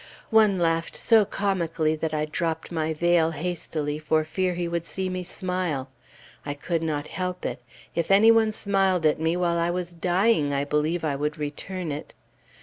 One laughed so comically that I dropped my veil hastily for fear he would see me smile. I could not help it; if any one smiled at me while I was dying, I believe I would return it.